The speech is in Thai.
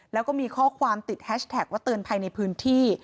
แล้วก็มีข้อความติดแฮชแท็กว่าเตือนภัยในพื้นที่